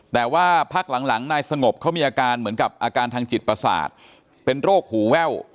แต่ว่าพักหลังนายสงบเขามีอาการเหมือนกับอาการทางจิตประสาทเป็นโรคหูแว่ว